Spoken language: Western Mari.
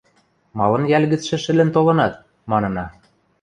– Малын йӓл гӹцшӹ шӹлӹн толынат? – манына.